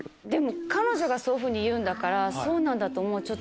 彼女がそういうふうに言うからそうなんだと思う。